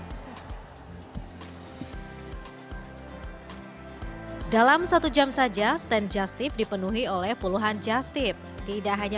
hai hai dalam satu jam saja stand just tip dipenuhi oleh puluhan just tip tidak hanya